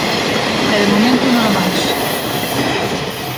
E, de momento, nada máis.